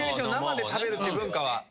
生で食べるって文化は。